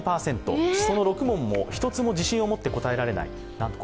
その６問も１つも自信を持って答えられない。